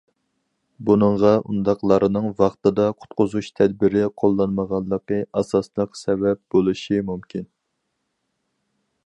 بۇنىڭغا ئۇنداقلارنىڭ ۋاقتىدا قۇتقۇزۇش تەدبىرى قوللانمىغانلىقى ئاساسلىق سەۋەب بولۇشى مۇمكىن.